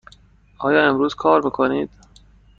آیا امروز کار می کنید؟